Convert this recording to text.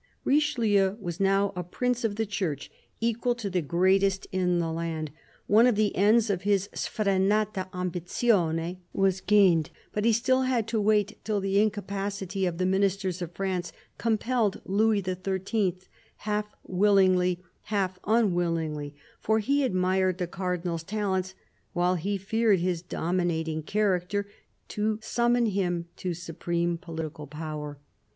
" Richelieu was now a Prince of the Church, equal to the greatest in the land. One of the ends of his " sfrenata ambizione " was gained, but he still had to wait till the incapacity of the Ministers of France compelled Louis XIII., half willingly, half unwillingly, for he admired the Cardinal's talents while he feared his dominating character, to summon him to supreme political power.